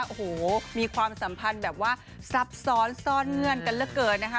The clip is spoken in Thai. โอ้โหมีความสัมพันธ์แบบว่าซับซ้อนซ่อนเงื่อนกันเหลือเกินนะคะ